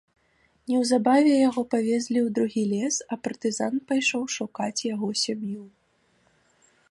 Неўзабаве яго павезлі ў другі лес, а партызан пайшоў шукаць яго сям'ю.